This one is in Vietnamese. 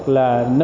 là nâng cao